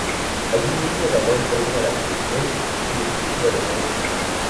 Allí mismo ganó el premio a la brillantez y el título de maestro.